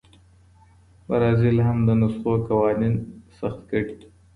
برازیل هم د نسخو قوانین سخت کړي.